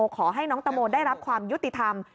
ขอให้น้องตังโมได้รับความยุติธรรม